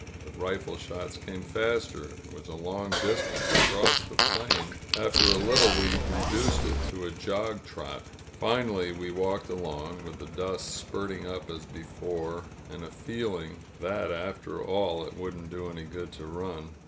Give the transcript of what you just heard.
The rifle shots came faster. It was a long distance across the plain. After a little we reduced it to a jog trot. Finally we walked along, with the dust spurting up as before, and a feel ing that, after all, it wouldn't do any good to run.